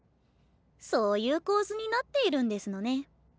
そういう構図になっているんですのね。